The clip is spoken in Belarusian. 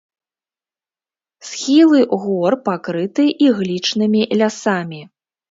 Схілы гор пакрыты іглічнымі лясамі.